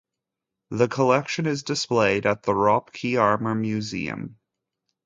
The collection is displayed at the Ropkey Armor Museum.